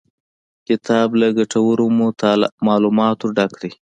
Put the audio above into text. کتاب له ګټورو معلوماتو ډک دی.